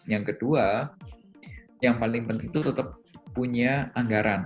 yang kedua yang paling penting itu tetap punya anggaran